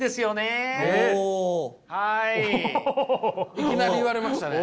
いきなり言われましたね。